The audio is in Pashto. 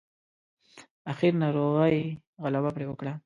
اخير ناروغۍ غلبه پرې وکړه.